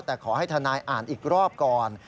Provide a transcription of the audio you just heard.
แต่ขอให้ทนายอ่านอีกรอบก่อน